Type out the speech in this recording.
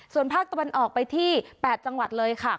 ส่วนภาคตะวันออกไปที่๘จังหวัดเลยค่ะ